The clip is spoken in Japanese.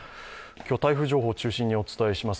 今日、台風情報中心にお伝えします。